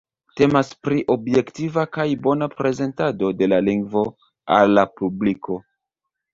Temas pri objektiva kaj bona prezentado de la lingvo al la publiko.